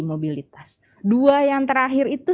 mobilitas dua yang terakhir itu